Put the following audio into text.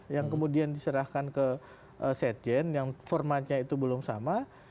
yang kemudian diserahkan ke sekjen yang formatnya itu belum sama